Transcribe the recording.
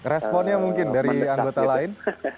responnya mungkin dari anggota lain